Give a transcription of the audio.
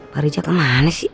pak rijal kemana sih